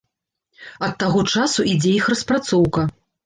Ад таго часу ідзе іх распрацоўка.